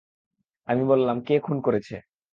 আমি বললাম, কে খুন করেছে?